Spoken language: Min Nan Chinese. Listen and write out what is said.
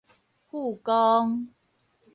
富岡